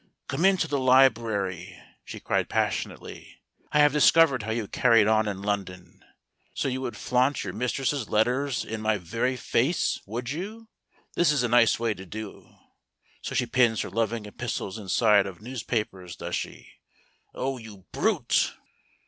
" Come into the library," she cried passionately. "I have discovered how you carried on in London. So you would flaunt your mistress' letters in my very face, would you? This is a nice way to do. So she pins her loving epistles inside of newspapers, does she? Oh, you brute